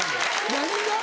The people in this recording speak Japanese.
何が？